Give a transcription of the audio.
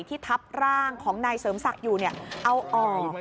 ทับร่างของนายเสริมศักดิ์อยู่เอาออก